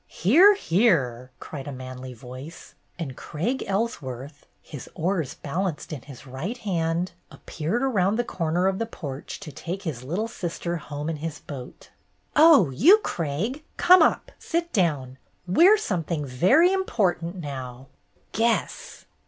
'' "Hear! hear!" cried a manly voice, and Craig Ellsworth, his oars balanced in his right hand, appeared round the corner of the porch to take his little sister home in his boat. "Oh, you, Craig! Come up. Sit down. We're something very important now. Guess!"